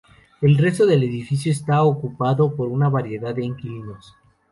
El resto del edificio está ocupado por una variedad de inquilinos.